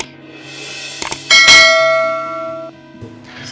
tegak banget sih